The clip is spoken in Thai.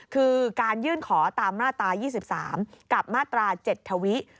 คือการยื่นขอตามมาตรา๒๓กับมาตรา๗ทวิ